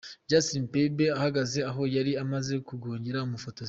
Justin Bieber ahagaze aho yari amaze kugongera umufotozi.